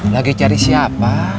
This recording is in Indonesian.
lagi cari siapa